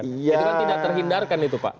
itu kan tidak terhindarkan itu pak